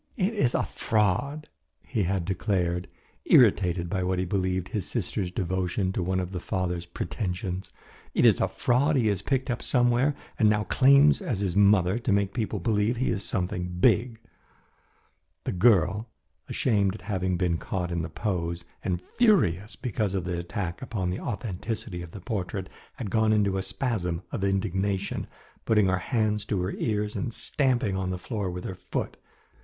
"It is a fraud," he had declared, irritated by what he believed his sister's devotion to one of the father's pretensions. "It is a fraud he has picked up somewhere and now claims as his mother to make people believe he is something big." The girl, ashamed at having been caught in the pose, and furious because of the attack upon the authenticity of the portrait, had gone into a spasm of indignation, putting her hands to her ears and stamping on the floor with her foot.